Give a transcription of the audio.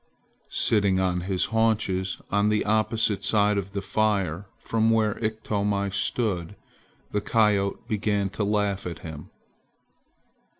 Sitting on his haunches, on the opposite side of the fire from where Iktomi stood, the coyote began to laugh at him.